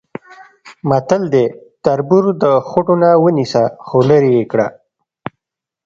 متل دی: تربور د خوټونه ونیسه خولرې یې کړه.